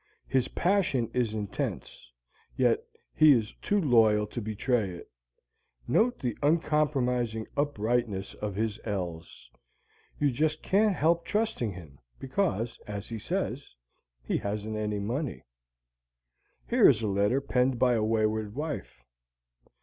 His passion is intense, yet he is too loyal to betray it. Note the uncompromising uprightness of his L's. You just can't help trusting him, because, as he says, he hasn't any money. Here is a letter penned by a wayward wife.